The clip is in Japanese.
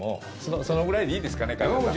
それぐらいでいいですかね、神田さん。